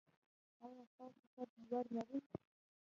ایا ستاسو قد لوړ نه دی؟